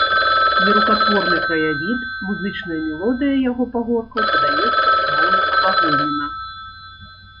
Нерукатворны краявід, музычная мелодыя яго пагоркаў падаецца ўмоўна-абагульнена.